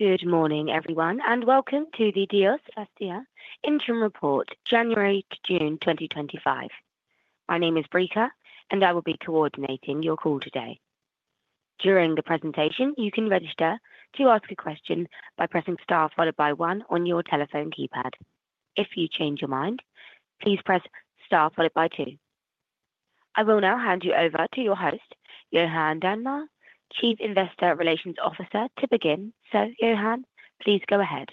Good morning, everyone, and welcome to the Diös Fastigheter Interim Report, January to June 2025. My name is Breeka, and I will be coordinating your call today. During the presentation, you can register to ask a question by pressing star followed by one on your telephone keypad. If you change your mind, please press star followed by two. I will now hand you over to your host, Johan Dernmar, Chief Investor Relations Officer, to begin. So, Johan, please go ahead.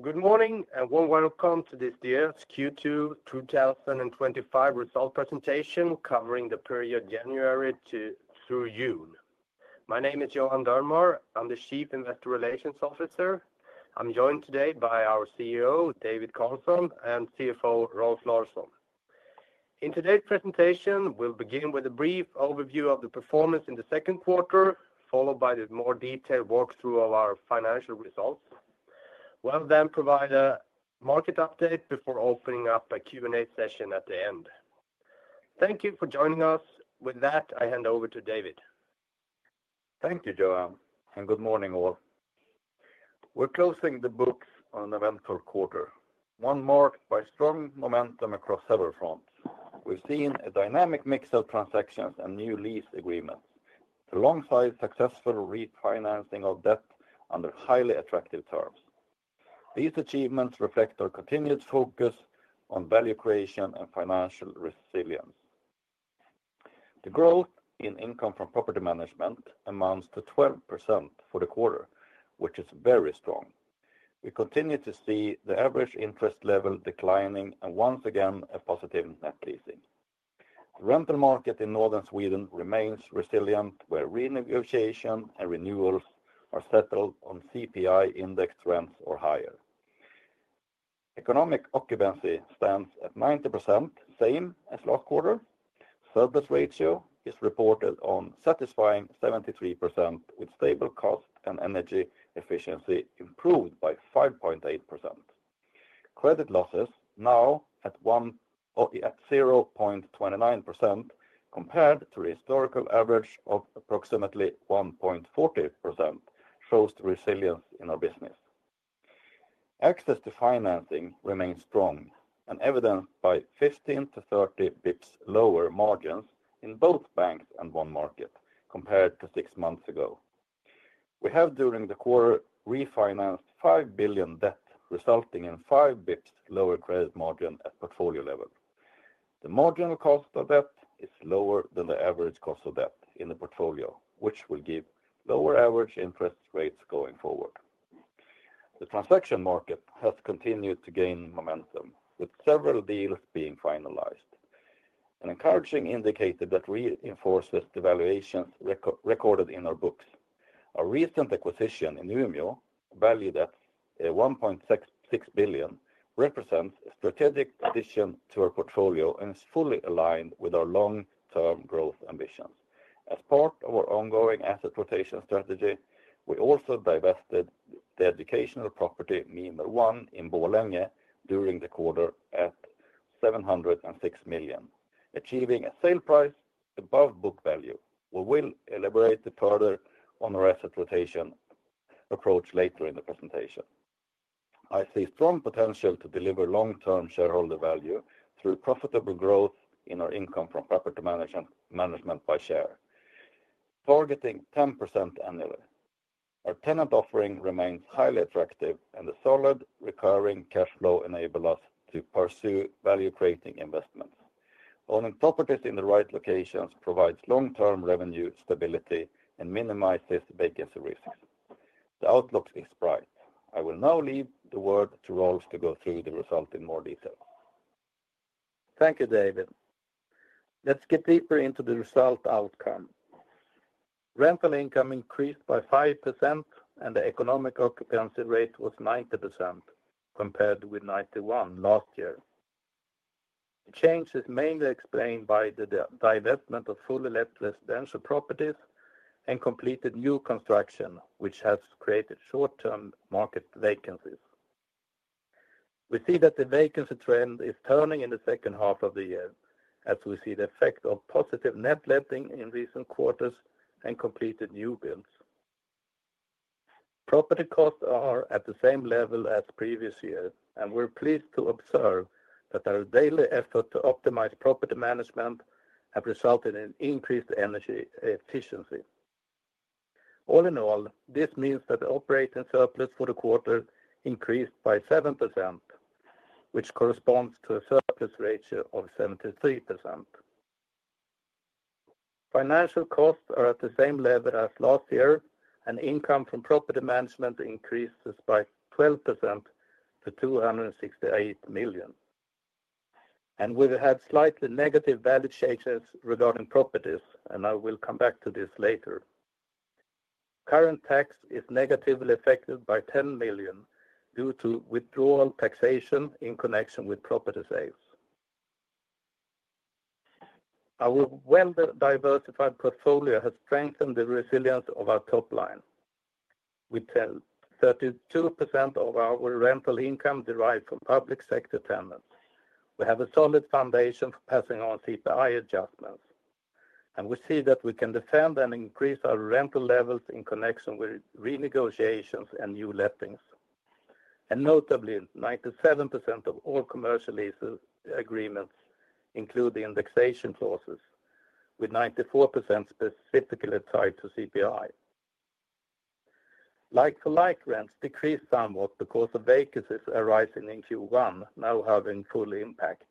Good morning, and warm welcome to this Diös Q2 2025 result presentation covering the period January to June. My name is Johan Dernmar. I'm the Chief Investor Relations Officer. I'm joined today by our CEO, David Carlsson, and CFO, Rolf Larsson. In today's presentation, we'll begin with a brief overview of the performance in the second quarter, followed by the more detailed walkthrough of our financial results. We'll then provide a market update before opening up a Q&A session at the end. Thank you for joining us. With that, I hand over to David. Thank you, Johan, and good morning, all. We are closing the books on the month of quarter, one marked by strong momentum across several fronts. We have seen a dynamic mix of transactions and new lease agreements, alongside successful refinancing of debt under highly attractive terms. These achievements reflect our continued focus on value creation and financial resilience. The growth in income from property management amounts to 12% for the quarter, which is very strong. We continue to see the average interest level declining and, once again, a positive net leasing. The rental market in northern Sweden remains resilient, where renegotiation and renewals are settled on CPI-indexed rents or higher. Economic occupancy stands at 90%, same as last quarter. Surplus ratio is reported on satisfying 73%, with stable cost and energy efficiency improved by 5.8%. Credit losses now at 0.29%, compared to the historical average of approximately 1.40%, shows resilience in our business. Access to financing remains strong, evidenced by 15-30 basis points lower margins in both banks and bond market compared to six months ago. We have, during the quarter, refinanced 5 billion debt, resulting in 5 basis points lower credit margin at portfolio level. The marginal cost of debt is lower than the average cost of debt in the portfolio, which will give lower average interest rates going forward. The transaction market has continued to gain momentum, with several deals being finalized. An encouraging indicator that reinforces the valuations recorded in our books. Our recent acquisition in Umeå, valued at 1.66 billion, represents a strategic addition to our portfolio and is fully aligned with our long-term growth ambitions. As part of our ongoing asset rotation strategy, we also divested the educational property Mimer 1 in Borlänge during the quarter at 706 million, achieving a sale price above book value. We will elaborate further on our asset rotation approach later in the presentation. I see strong potential to deliver long-term shareholder value through profitable growth in our income from property management by share, targeting 10% annually. Our tenant offering remains highly attractive, and the solid recurring cash flow enables us to pursue value-creating investments. Owning properties in the right locations provides long-term revenue stability and minimizes vacancy risks. The outlook is bright. I will now leave the word to Rolf to go through the result in more detail. Thank you, David. Let's get deeper into the result outcome. Rental income increased by 5%, and the economic occupancy rate was 90%, compared with 91% last year. The change is mainly explained by the divestment of fully residential properties and completed new construction, which has created short-term market vacancies. We see that the vacancy trend is turning in the second half of the year, as we see the effect of positive net lending in recent quarters and completed new builds. Property costs are at the same level as previous years, and we're pleased to observe that our daily effort to optimize property management has resulted in increased energy efficiency. All in all, this means that the operating surplus for the quarter increased by 7%, which corresponds to a surplus ratio of 73%. Financial costs are at the same level as last year, and income from property management increases by 12% to 268 million. We have had slightly negative value changes regarding properties, and I will come back to this later. Current tax is negatively affected by 10 million due to withdrawal taxation in connection with property sales. Our well-diversified portfolio has strengthened the resilience of our top line. We tell 32% of our rental income derived from public sector tenants. We have a solid foundation for passing on CPI adjustments, and we see that we can defend and increase our rental levels in connection with renegotiations and new lettings. Notably, 97% of all commercial lease agreements include indexation clauses, with 94% specifically tied to CPI. Like-for-like rents decreased somewhat because of vacancies arising in Q1, now having full impact.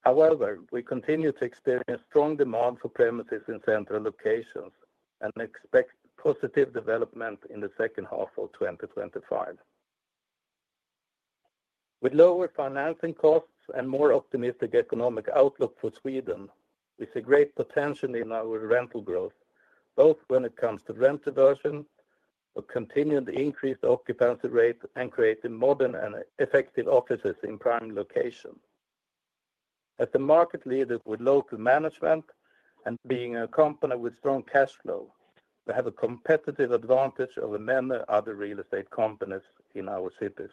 However, we continue to experience strong demand for premises in central locations and expect positive development in the second half of 2025. With lower financing costs and a more optimistic economic outlook for Sweden, we see great potential in our rental growth, both when it comes to rent aversion, the continued increased occupancy rate, and creating modern and effective offices in prime locations. As a market leader with local management and being a company with strong cash flow, we have a competitive advantage over many other real estate companies in our cities.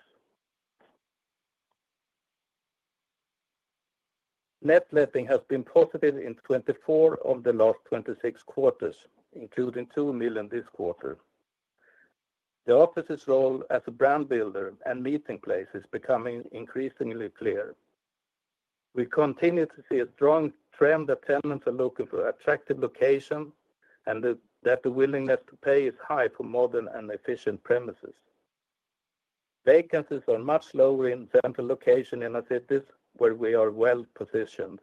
Net letting has been positive in 24 of the last 26 quarters, including 2 million this quarter. The office's role as a brand builder and meeting place is becoming increasingly clear. We continue to see a strong trend that tenants are looking for attractive locations and that the willingness to pay is high for modern and efficient premises. Vacancies are much lower in central location in our cities, where we are well positioned,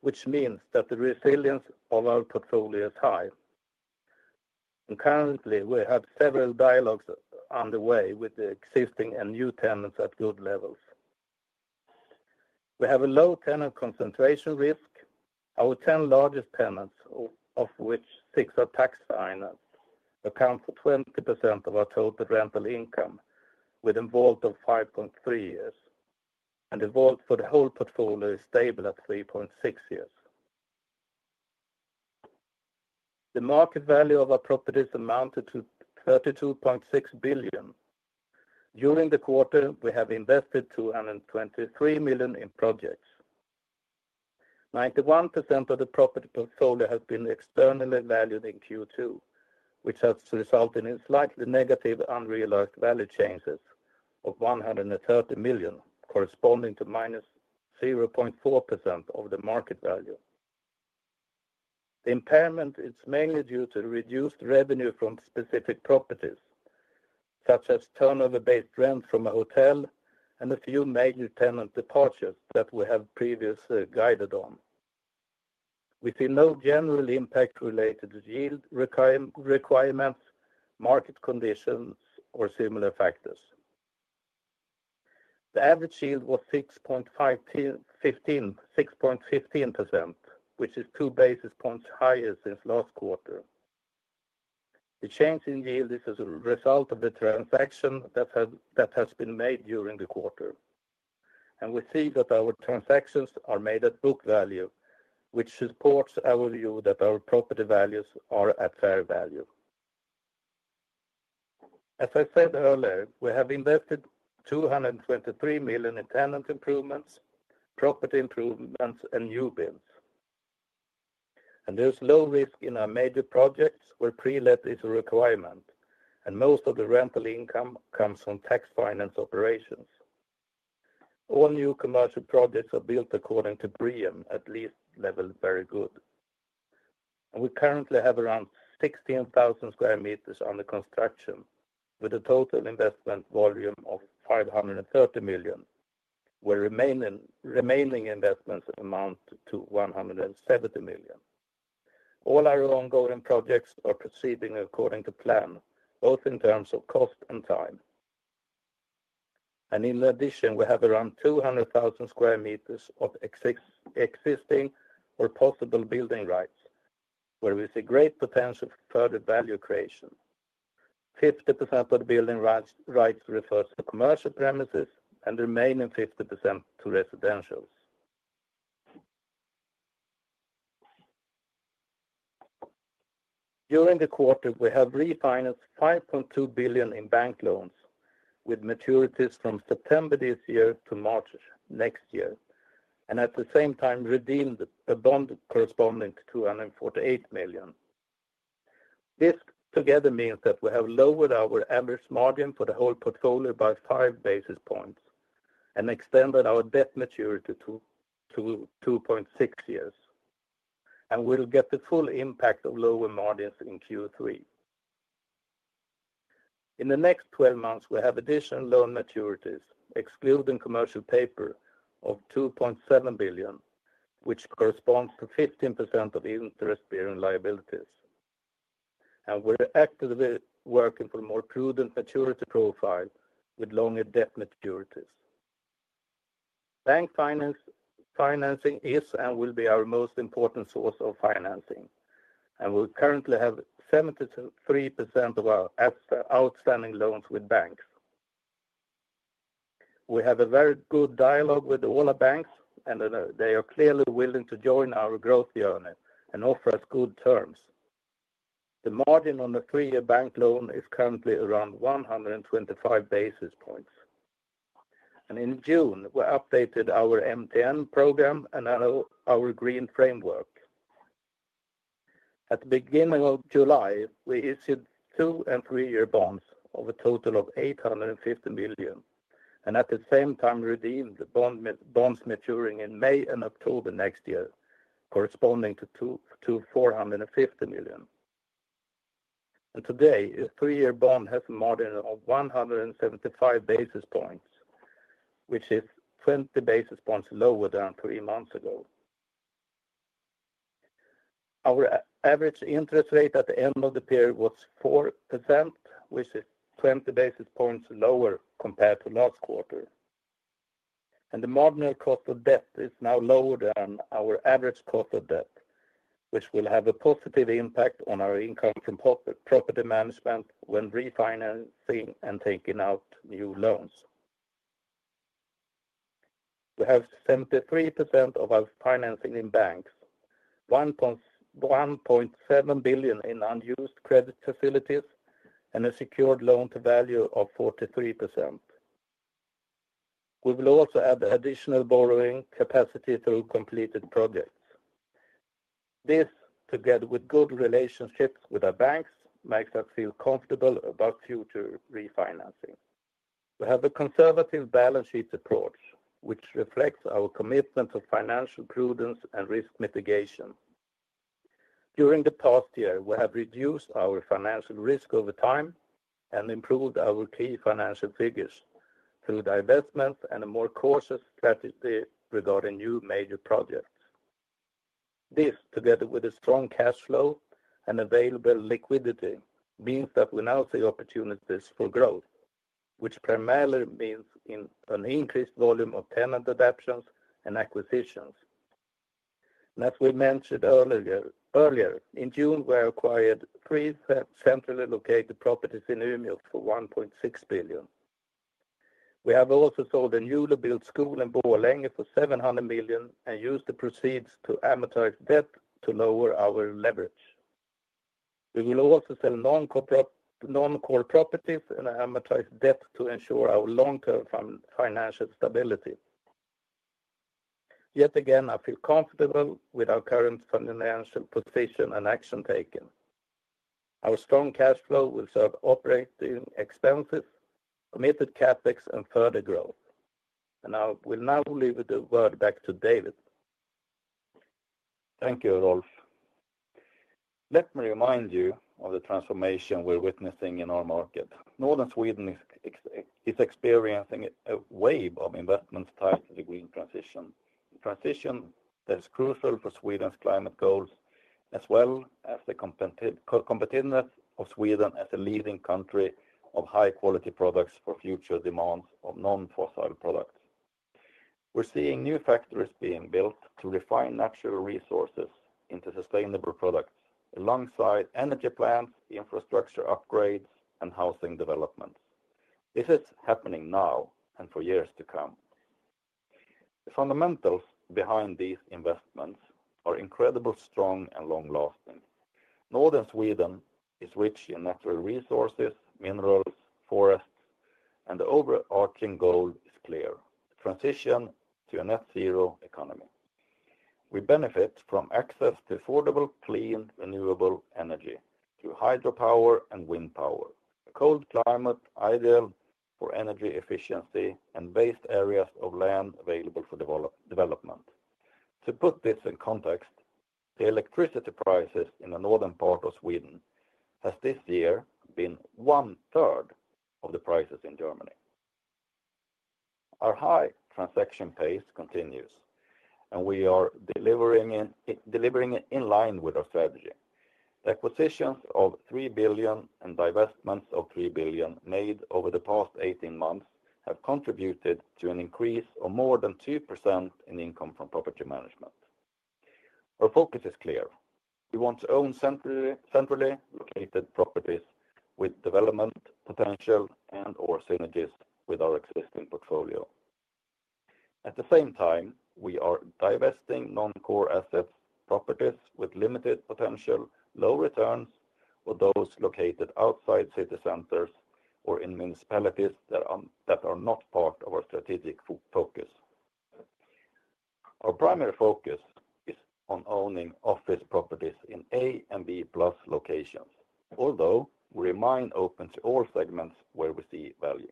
which means that the resilience of our portfolio is high. Currently, we have several dialogues underway with the existing and new tenants at good levels. We have a low tenant concentration risk. Our 10 largest tenants, of which 6 are tax financed, account for 20% of our total rental income with a vault of 5.3 years, and the vault for the whole portfolio is stable at 3.6 years. The market value of our properties amounted to 32.6 billion. During the quarter, we have invested 223 million in projects. 91% of the property portfolio has been externally valued in Q2, which has resulted in slightly negative unrealized value changes of 130 million, corresponding to -0.4% of the market value. The impairment is mainly due to reduced revenue from specific properties, such as turnover-based rents from a hotel and a few major tenant departures that we have previously guided on. We see no general impact-related yield requirements, market conditions, or similar factors. The average yield was 6.15%, which is two basis points higher since last quarter. The change in yield is a result of the transaction that has been made during the quarter, and we see that our transactions are made at book value, which supports our view that our property values are at fair value. As I said earlier, we have invested 223 million in tenant improvements, property improvements, and new builds. There is low risk in our major projects, where pre-let is a requirement, and most of the rental income comes from tax finance operations. All new commercial projects are built according to BREEAM, at least level very good. We currently have around 16,000 sq m under construction, with a total investment volume of 530 million, where remaining investments amount to 170 million. All our ongoing projects are proceeding according to plan, both in terms of cost and time. In addition, we have around 200,000 sq m of existing or possible building rights, where we see great potential for further value creation. 50% of the building rights refers to commercial premises and the remaining 50% to residentials. During the quarter, we have refinanced 5.2 billion in bank loans, with maturities from September this year to March next year, and at the same time, redeemed a bond corresponding to 248 million. This together means that we have lowered our average margin for the whole portfolio by five basis points and extended our debt maturity to 2.6 years, and we will get the full impact of lower margins in Q3. In the next 12 months, we have additional loan maturities, excluding commercial paper, of 2.7 billion, which corresponds to 15% of interest-bearing liabilities. We are actively working for a more prudent maturity profile with longer debt maturities. Bank financing is and will be our most important source of financing, and we currently have 73% of our outstanding loans with banks. We have a very good dialogue with all our banks, and they are clearly willing to join our growth journey and offer us good terms. The margin on a three-year bank loan is currently around 125 basis points. In June, we updated our MTN program and our green framework. At the beginning of July, we issued two- and three-year bonds of a total of 850 million, and at the same time, redeemed the bonds maturing in May and October next year, corresponding to SEK 450 million. Today, a three-year bond has a margin of 175 basis points, which is 20 basis points lower than three months ago. Our average interest rate at the end of the period was 4%, which is 20 basis points lower compared to last quarter. The marginal cost of debt is now lower than our average cost of debt, which will have a positive impact on our income from property management when refinancing and taking out new loans. We have 73% of our financing in banks, 1.7 billion in unused credit facilities, and a secured loan to value of 43%. We will also add additional borrowing capacity through completed projects. This, together with good relationships with our banks, makes us feel comfortable about future refinancing. We have a conservative balance sheet approach, which reflects our commitment to financial prudence and risk mitigation. During the past year, we have reduced our financial risk over time and improved our key financial figures through divestments and a more cautious strategy regarding new major projects. This, together with a strong cash flow and available liquidity, means that we now see opportunities for growth, which primarily means an increased volume of tenant improvements and acquisitions. As we mentioned earlier, in June, we acquired three centrally located properties in Umeå for 1.6 billion. We have also sold a newly built school in Borlänge for 700 million and used the proceeds to amortize debt to lower our leverage. We will also sell non-core properties and amortize debt to ensure our long-term financial stability. Yet again, I feel comfortable with our current financial position and action taken. Our strong cash flow will serve operating expenses, committed CapEx, and further growth. I will now leave the word back to David. Thank you, Rolf. Let me remind you of the transformation we're witnessing in our market. Northern Sweden is experiencing a wave of investments tied to the green transition, a transition that is crucial for Sweden's climate goals, as well as the competitiveness of Sweden as a leading country of high-quality products for future demands of non-fossil products. We're seeing new factories being built to refine natural resources into sustainable products, alongside energy plants, infrastructure upgrades, and housing developments. This is happening now and for years to come. The fundamentals behind these investments are incredibly strong and long-lasting. Northern Sweden is rich in natural resources, minerals, forests, and the overarching goal is clear: transition to a net-zero economy. We benefit from access to affordable, clean, renewable energy, to hydropower and wind power, a cold climate ideal for energy efficiency and vast areas of land available for development. To put this in context, the electricity prices in the northern part of Sweden have this year been one-third of the prices in Germany. Our high transaction pace continues, and we are delivering in line with our strategy. The acquisitions of 3 billion and divestments of 3 billion made over the past 18 months have contributed to an increase of more than 2% in income from property management. Our focus is clear. We want to own centrally located properties with development potential and/or synergies with our existing portfolio. At the same time, we are divesting non-core assets, properties with limited potential, low returns, or those located outside city centers or in municipalities that are not part of our strategic focus. Our primary focus is on owning office properties in A and B plus locations, although we remain open to all segments where we see value.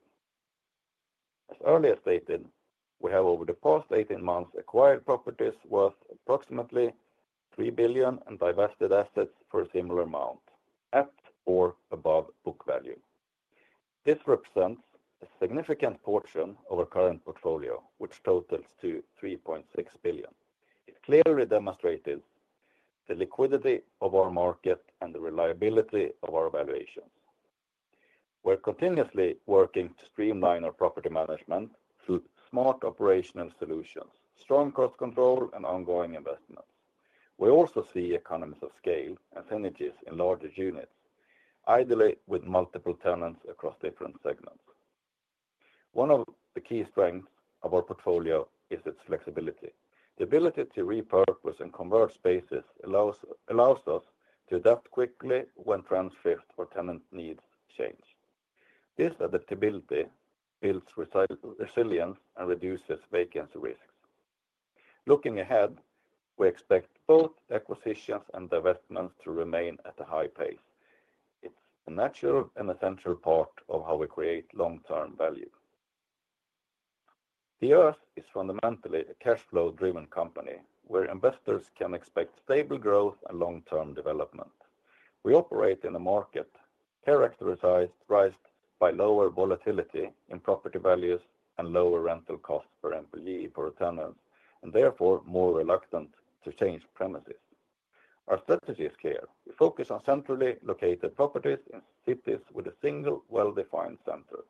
As earlier stated, we have over the past 18 months acquired properties worth approximately 3 billion and divested assets for a similar amount, at or above book value. This represents a significant portion of our current portfolio, which totals 3.6 billion. It clearly demonstrates the liquidity of our market and the reliability of our valuations. We're continuously working to streamline our property management through smart operational solutions, strong cost control, and ongoing investments. We also see economies of scale and synergies in larger units, ideally with multiple tenants across different segments. One of the key strengths of our portfolio is its flexibility. The ability to repurpose and convert spaces allows us to adapt quickly when transcript or tenant needs change. This adaptability builds resilience and reduces vacancy risks. Looking ahead, we expect both acquisitions and divestments to remain at a high pace. It's a natural and essential part of how we create long-term value. Diös Fastigheter is fundamentally a cash flow-driven company where investors can expect stable growth and long-term development. We operate in a market characterized by lower volatility in property values and lower rental costs per employee for tenants, and therefore more reluctant to change premises. Our strategy is clear. We focus on centrally located properties in cities with a single well-defined center.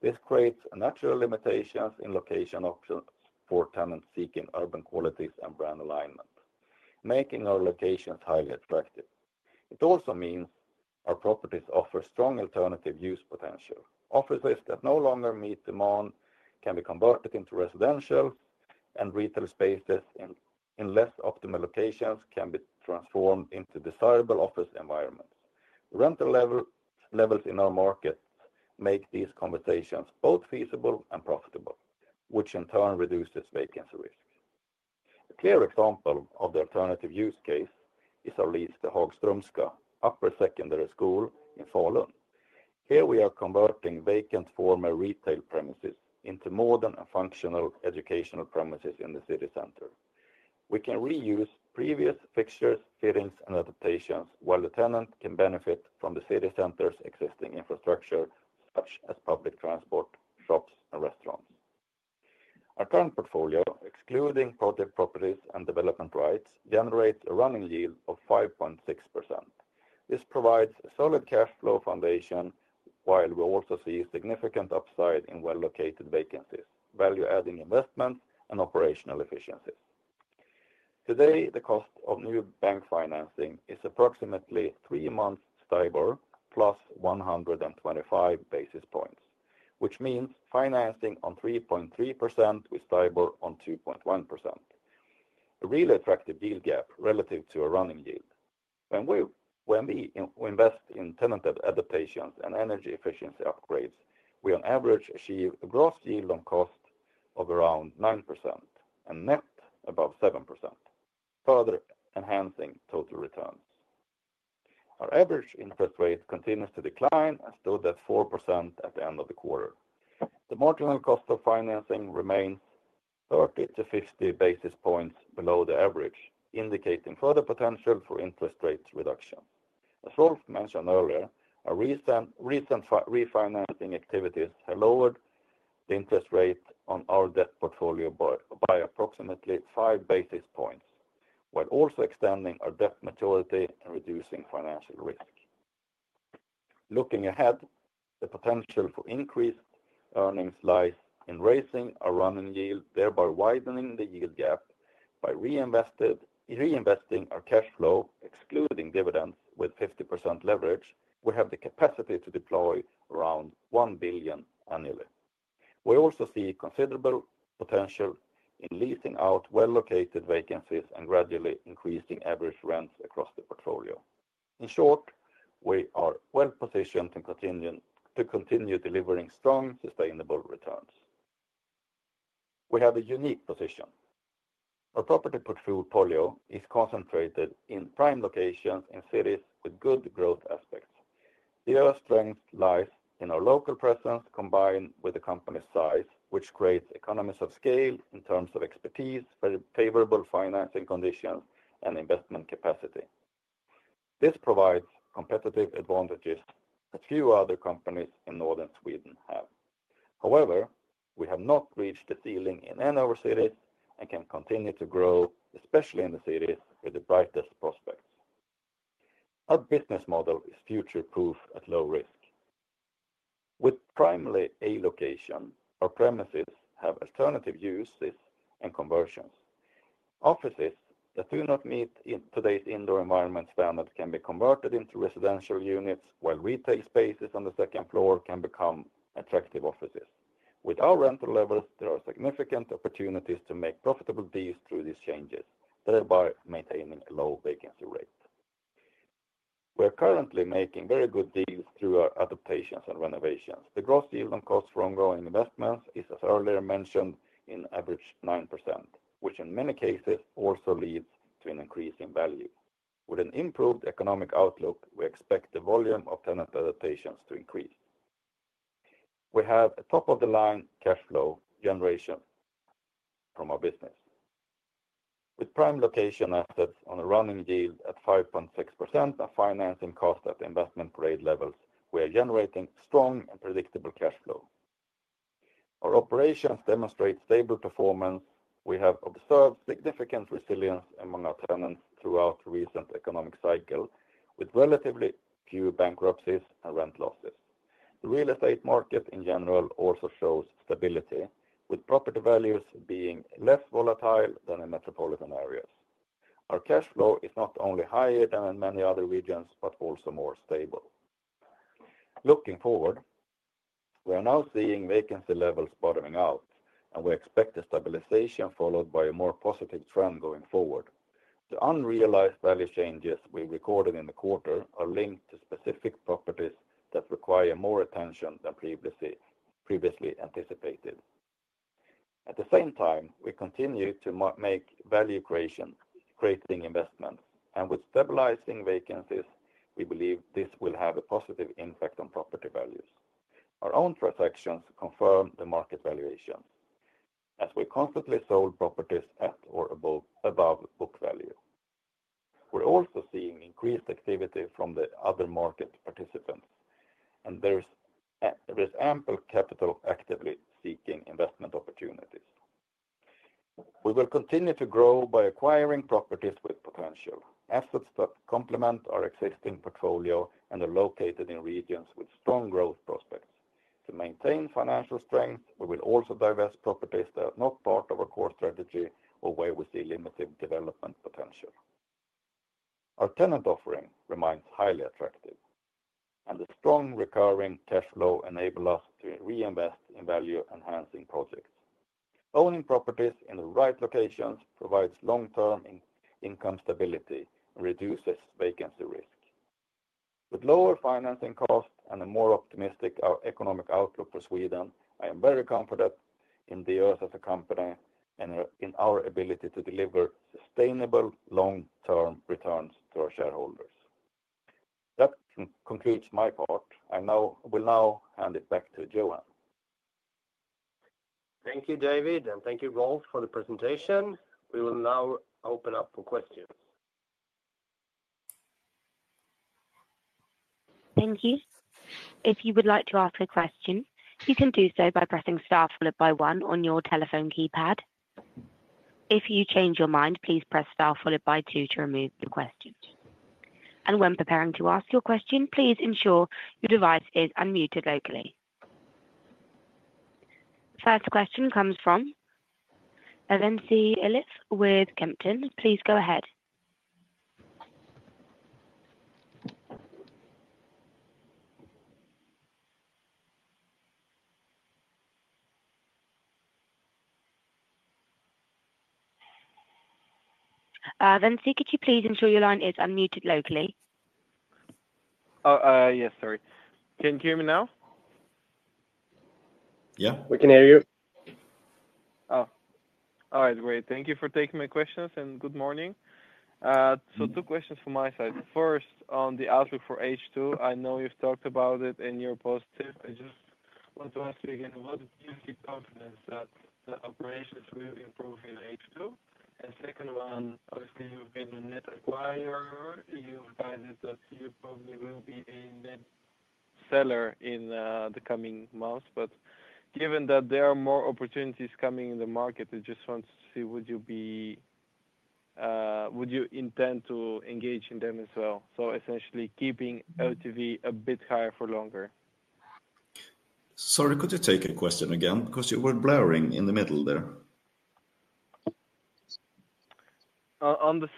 This creates natural limitations in location options for tenants seeking urban qualities and brand alignment, making our locations highly attractive. It also means our properties offer strong alternative use potential. Offices that no longer meet demand can be converted into residential and retail spaces in less optimal locations can be transformed into desirable office environments. Rental levels in our market make these conversations both feasible and profitable, which in turn reduces vacancy risks. A clear example of the alternative use case is our lease, the Hagströmska Upper Secondary School in Falun. Here, we are converting vacant former retail premises into modern and functional educational premises in the city center. We can reuse previous fixtures, fittings, and adaptations while the tenant can benefit from the city center's existing infrastructure, such as public transport, shops, and restaurants. Our current portfolio, excluding project properties and development rights, generates a running yield of 5.6%. This provides a solid cash flow foundation, while we also see significant upside in well-located vacancies, value-adding investments, and operational efficiencies. Today, the cost of new bank financing is approximately three months' STIBOR plus 125 basis points, which means financing on 3.3% with STIBOR on 2.1%. A really attractive deal gap relative to a running yield. When we invest in tenant adaptations and energy efficiency upgrades, we on average achieve a gross yield on cost of around 9% and net above 7%, further enhancing total returns. Our average interest rate continues to decline, as stood at 4% at the end of the quarter. The marginal cost of financing remains 30-50 basis points below the average, indicating further potential for interest rate reduction. As Rolf mentioned earlier, our recent refinancing activities have lowered the interest rate on our debt portfolio by approximately five basis points, while also extending our debt maturity and reducing financial risk. Looking ahead, the potential for increased earnings lies in raising our running yield, thereby widening the yield gap by reinvesting our cash flow, excluding dividends with 50% leverage. We have the capacity to deploy around 1 billion annually. We also see considerable potential in leasing out well-located vacancies and gradually increasing average rents across the portfolio. In short, we are well positioned to continue delivering strong, sustainable returns. We have a unique position. Our property portfolio is concentrated in prime locations in cities with good growth aspects. Diös' strength lies in our local presence combined with the company's size, which creates economies of scale in terms of expertise, favorable financing conditions, and investment capacity. This provides competitive advantages that few other companies in Northern Sweden have. However, we have not reached the ceiling in any of our cities and can continue to grow, especially in the cities with the brightest prospects. Our business model is future-proof at low risk. With primarily a location, our premises have alternative uses and conversions. Offices that do not meet today's indoor environment standards can be converted into residential units, while retail spaces on the second floor can become attractive offices. With our rental levels, there are significant opportunities to make profitable deals through these changes, thereby maintaining a low vacancy rate. We are currently making very good deals through our adaptations and renovations. The gross yield on costs for ongoing investments is, as earlier mentioned, in average 9%, which in many cases also leads to an increase in value. With an improved economic outlook, we expect the volume of tenant adaptations to increase. We have a top-of-the-line cash flow generation from our business. With prime location assets on a running yield at 5.6% and financing costs at investment-grade levels, we are generating strong and predictable cash flow. Our operations demonstrate stable performance. We have observed significant resilience among our tenants throughout the recent economic cycle, with relatively few bankruptcies and rent losses. The real estate market in general also shows stability, with property values being less volatile than in metropolitan areas. Our cash flow is not only higher than in many other regions but also more stable. Looking forward, we are now seeing vacancy levels bottoming out, and we expect a stabilization followed by a more positive trend going forward. The unrealized value changes we recorded in the quarter are linked to specific properties that require more attention than previously anticipated. At the same time, we continue to make value creation, creating investments, and with stabilizing vacancies, we believe this will have a positive impact on property values. Our own transactions confirm the market valuations, as we constantly sold properties at or above book value. We are also seeing increased activity from the other market participants, and there is ample capital actively seeking investment opportunities. We will continue to grow by acquiring properties with potential, assets that complement our existing portfolio and are located in regions with strong growth prospects. To maintain financial strength, we will also divest properties that are not part of our core strategy or where we see limited development potential. Our tenant offering remains highly attractive, and the strong recurring cash flow enables us to reinvest in value-enhancing projects. Owning properties in the right locations provides long-term income stability and reduces vacancy risk. With lower financing costs and a more optimistic economic outlook for Sweden, I am very confident in Diös as a company and in our ability to deliver sustainable long-term returns to our shareholders. That concludes my part. I will now hand it back to Johan. Thank you, David, and thank you, Rolf, for the presentation. We will now open up for questions. Thank you. If you would like to ask a question, you can do so by pressing star followed by one on your telephone keypad. If you change your mind, please press star followed by two to remove the question. When preparing to ask your question, please ensure your device is unmuted locally. First question comes from Elenci Elliff with Kempen. Please go ahead. Elenci, could you please ensure your line is unmuted locally? Yes, sorry. Can you hear me now? Yeah, we can hear you. All right, great. Thank you for taking my questions and good morning. Two questions from my side. First, on the outlook for H2, I know you've talked about it and you're positive. I just want to ask you again, what gives you confidence that the operations will improve in H2? Second one, obviously, you've been a net acquirer. You've guided that you probably will be a net seller in the coming months. Given that there are more opportunities coming in the market, I just want to see would you intend to engage in them as well? Essentially keeping LTV a bit higher for longer. Sorry, could you take a question again? Because you were blurring in the middle there. On the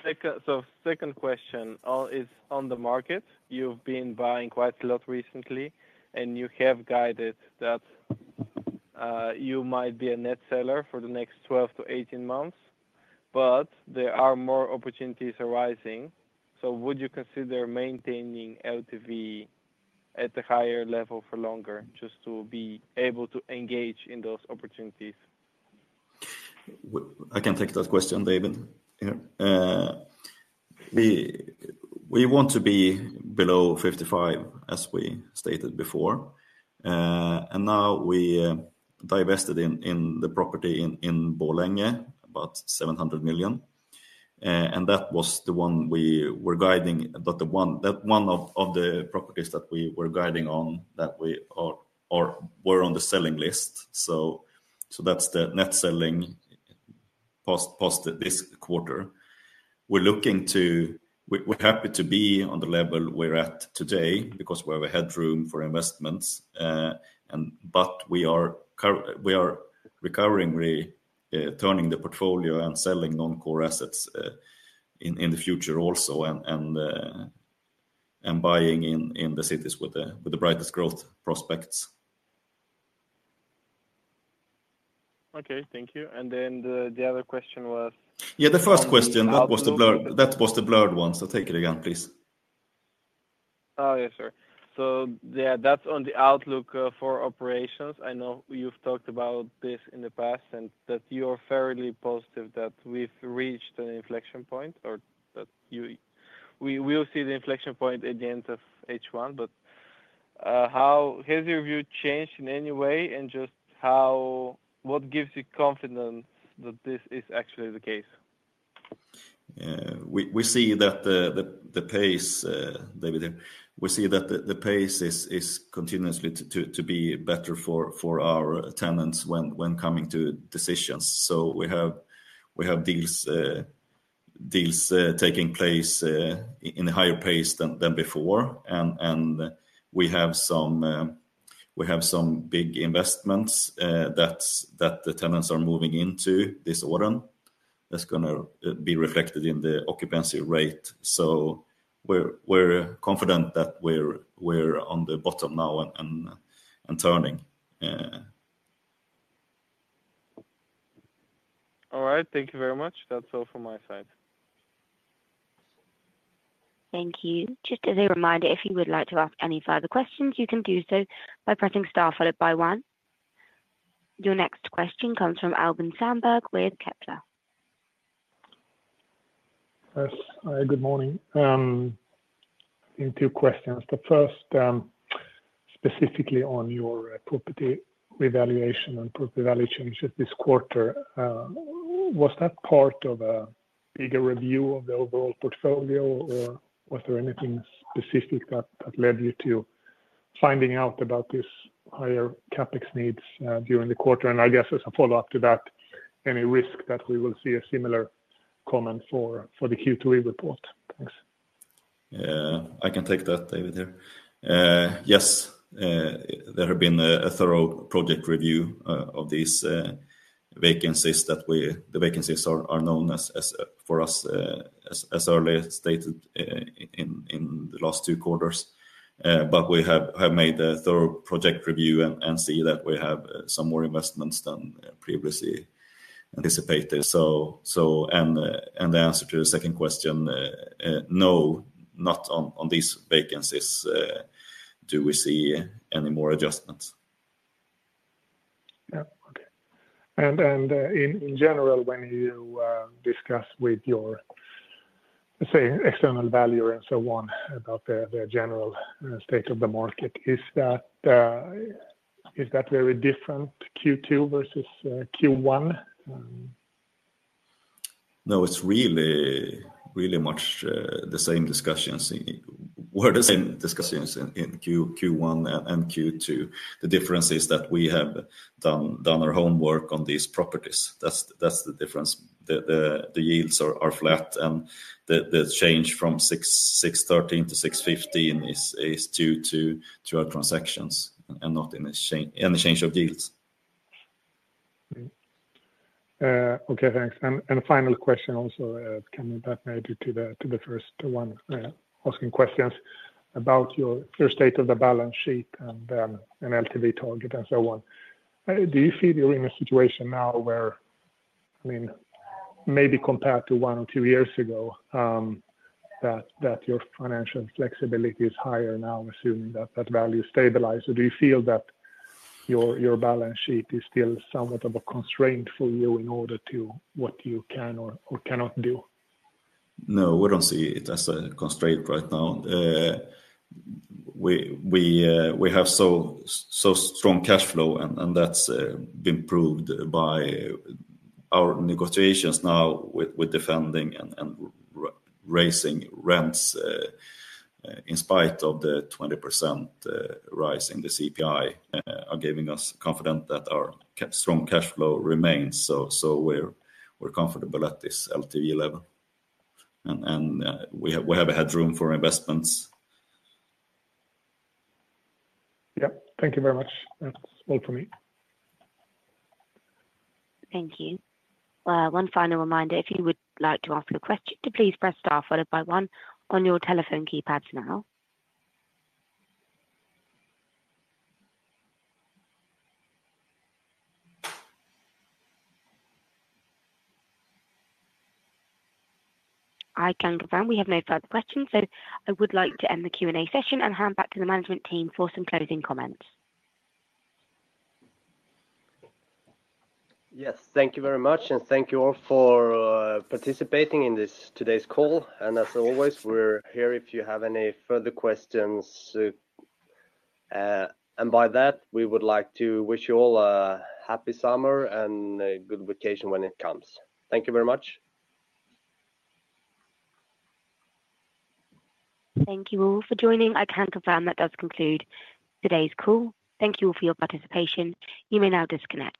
second question, is on the market. You've been buying quite a lot recently, and you have guided that you might be a net seller for the next 12-18 months. There are more opportunities arising. Would you consider maintaining LTV at a higher level for longer just to be able to engage in those opportunities? I can take that question, David. We want to be below 55%, as we stated before. Now we divested in the property in Borlänge, about 700 million. That was the one we were guiding, one of the properties that we were guiding on that we were on the selling list. That's the net selling post this quarter. We're happy to be on the level we're at today because we have a headroom for investments. We are recovering, really turning the portfolio and selling non-core assets in the future also, and buying in the cities with the brightest growth prospects. Okay, thank you. The other question was, yeah, the first question, that was the blurred one. Take it again, please. Oh, yes, sir. That is on the outlook for operations. I know you have talked about this in the past and that you are fairly positive that we have reached an inflection point or that we will see the inflection point at the end of H1. Has your view changed in any way? What gives you confidence that this is actually the case? We see that the pace, David, we see that the pace continues to be better for our tenants when it comes to decisions. We have deals taking place at a higher pace than before. We have some big investments that the tenants are moving into this autumn. That is going to be reflected in the occupancy rate. We are confident that we are on the bottom now and turning. All right, thank you very much. That is all from my side. Thank you. Just as a reminder, if you would like to ask any further questions, you can do so by pressing star followed by one. Your next question comes from Albin Sandberg with Kepler. Hi, good morning. Two questions. The first, specifically on your property revaluation and property value changes this quarter. Was that part of a bigger review of the overall portfolio, or was there anything specific that led you to finding out about these higher CapEx needs during the quarter? I guess as a follow-up to that, any risk that we will see a similar comment for the Q2E report? Thanks. I can take that, David here. Yes, there have been a thorough project review of these vacancies that the vacancies are known for us, as earlier stated, in the last two quarters. We have made a thorough project review and see that we have some more investments than previously anticipated. The answer to the second question, no, not on these vacancies do we see any more adjustments. In general, when you discuss with your external valuer and so on about the general state of the market, is that very different Q2 versus Q1? No, it's really much the same discussions. We're the same discussions in Q1 and Q2. The difference is that we have done our homework on these properties. That's the difference. The yields are flat, and the change from 613 to 615 is due to our transactions and not any change of yields. Okay, thanks. Final question also, coming back maybe to the first one, asking questions about your state of the balance sheet and LTV target and so on. Do you feel you're in a situation now where, I mean, maybe compared to one or two years ago, that your financial flexibility is higher now, assuming that that value stabilized? Or do you feel that your balance sheet is still somewhat of a constraint for you in order to what you can or cannot do? No, we don't see it as a constraint right now. We have so strong cash flow, and that's been proved by our negotiations now with defending and raising rents in spite of the 20% rise in the CPI, are giving us confidence that our strong cash flow remains. We are comfortable at this LTV level. We have a headroom for investments. Yeah, thank you very much. That's all for me. Thank you. One final reminder, if you would like to ask a question, please press star followed by one on your telephone keypads now. I can confirm we have no further questions. I would like to end the Q&A session and hand back to the management team for some closing comments. Yes, thank you very much. Thank you all for participating in today's call. As always, we're here if you have any further questions. By that, we would like to wish you all a happy summer and a good vacation when it comes. Thank you very much. Thank you all for joining. I can confirm that does conclude today's call. Thank you all for your participation. You may now disconnect.